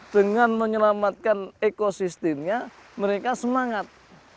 dengan menyelamatkan ekosistemnya mereka semangat